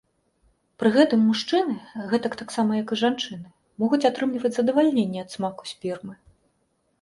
Пры гэтым мужчыны, гэтак таксама як і жанчыны, могуць атрымліваць задавальненне ад смаку спермы.